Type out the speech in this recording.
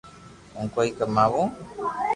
ھون ڪوئي ڪماوُ